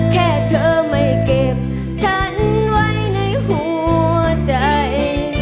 แค่เธอไม่เก็บฉันไว้ในหัวใจ